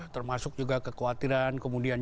termasuk juga kekhawatiran kemudian